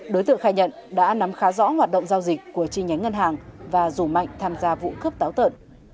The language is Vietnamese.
đối tượng khai nhận đã nắm khá rõ hoạt động giao dịch của chi nhánh ngân hàng và rủ mạnh tham gia vụ cướp táo tợn